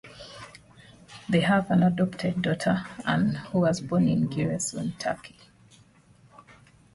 They have an adopted daughter, Anne, who was born in Giresun, Turkey.